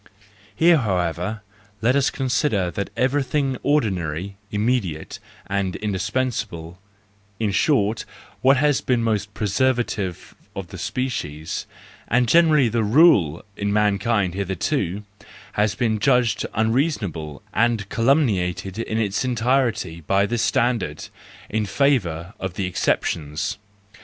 Here, however, let us consider that everything ordinary, immediate, and indispensable, in short, what has been most pre¬ servative of the species, and generally the rule in mankind hitherto, has been judged unreasonable and calumniated in its entirety by this standard, in favour of the exceptions.